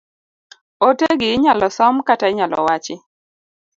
Ote gi inyalo som kata inyalo wachi.